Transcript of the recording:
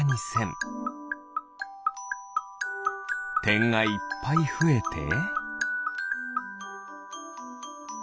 てんがいっぱいふえて。